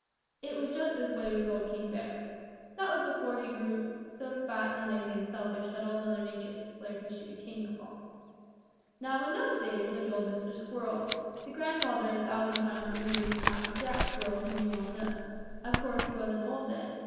It was just this way with old King Bear. That was before he grew so fat and lazy and selfish that Old Mother Nature declared that he should be king no longer. "Now in those days lived old Mr. Squirrel, the grandfather a thousand times removed of Happy Jack Squirrel whom you all know. Of course, he wasn't old then.